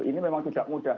ini memang tidak mudah